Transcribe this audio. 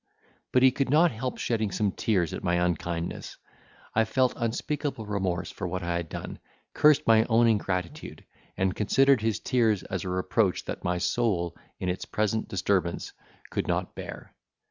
But he could not help shedding some tears at my unkindness. I felt unspeakable remorse for what I had done, cursed my own ingratitude, and considered his tears as a reproach that my soul, in its present disturbance, could not bear.